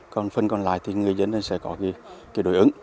còn phần còn lại thì người dân sẽ có đổi ứng